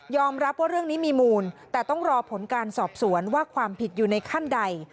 รับว่าเรื่องนี้มีมูลแต่ต้องรอผลการสอบสวนว่าความผิดอยู่ในขั้นใด